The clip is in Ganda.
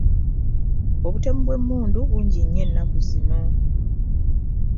Obutemu bw'emundu bungi nnyo ennaku zino.